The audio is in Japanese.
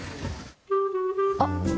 あっ。